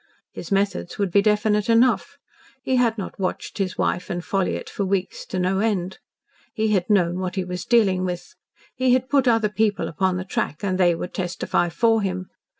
His methods would be definite enough. He had not watched his wife and Ffolliott for weeks to no end. He had known what he was dealing with. He had put other people upon the track and they would testify for him.